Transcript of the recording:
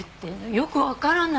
よくわからない。